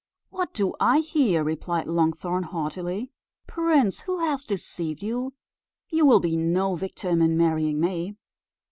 "What do I hear?" replied Longthorn, haughtily. "Prince, who has deceived you? you will be no victim in marrying me."